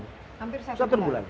hampir satu bulan